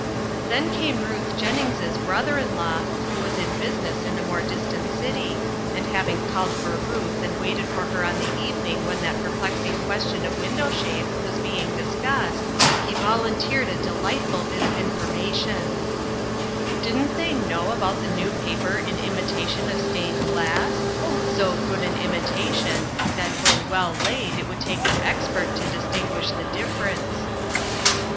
Then came Ruth Jennings' brother in law who was in business in a more distant city, and having called for Ruth and waited for her on the evening when that perplexing question of window shades was being dis cussed, he volunteered a delightful bit of in formation : "Didn't they know about the new paper in imitation of stained glass? So good an im itation that when well laid it would take an expert to distinguish the difference." BUD AS A TEACHER.